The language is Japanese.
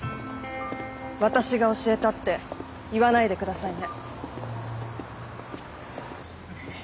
私が教えたって言わないでくださいね。